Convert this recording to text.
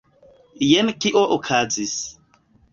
Jen kio okazis.